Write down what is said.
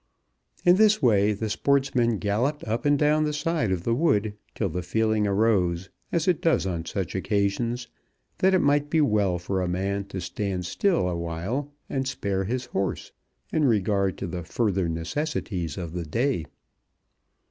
In this way the sportsmen galloped up and down the side of the wood till the feeling arose, as it does on such occasions, that it might be well for a man to stand still awhile and spare his horse, in regard to the future necessities of the day.